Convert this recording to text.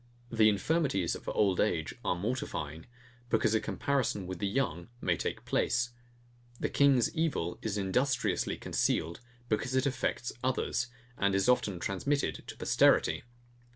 The infirmities of old age are mortifying; because a comparison with the young may take place. The king's evil is industriously concealed, because it affects others, and is often transmitted to posterity.